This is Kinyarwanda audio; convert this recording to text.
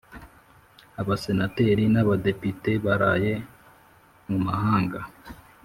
Abasenateri nabadepite baraye mumahanga